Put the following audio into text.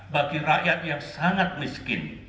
bagi rakyat yang sangat miskin